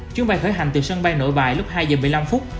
chuyến bay khởi hành từ sân bay nội bài lúc hai giờ một mươi năm phút